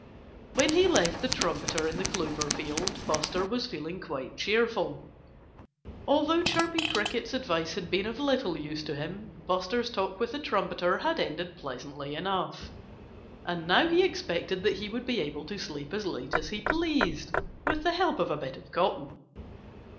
When he left the trumpeter in the clover field, Buster was feeling quite cheerful. Although Chirpy Cricket's advice had been of little use to him, Buster's talk with the trumpeter had ended pleasantly enough. And now he expected that he would be able to sleep as late as he pleased with the help of a bit of cotton.